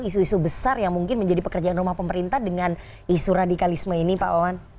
isu isu besar yang mungkin menjadi pekerjaan rumah pemerintah dengan isu radikalisme ini pak wawan